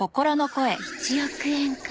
１億円か。